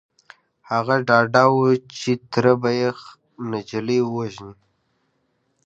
هغه ډاډه و چې تره به يې نجلۍ ووژني.